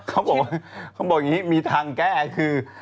เขาบอกอย่างนี้มีทางแก้คือ